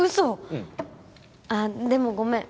うんああでもごめん